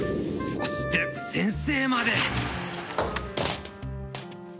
そして先生まで！